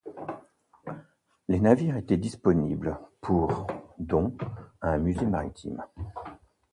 Les navires étaient disponibles pour don à un musée maritime.